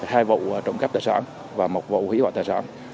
hai vụ trộm cắp tài sản và một vụ hủy hoại tài sản